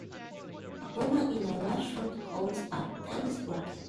A woman in a white shirt holds a tennis racket.